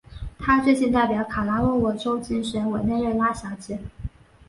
她最近代表卡拉沃沃州竞选委内瑞拉小姐。